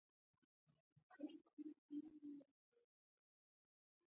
زه چې څه کوم ولې یې کوم.